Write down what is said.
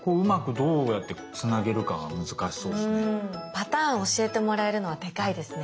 パターン教えてもらえるのはでかいですね。